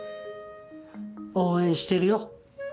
応援してるよ。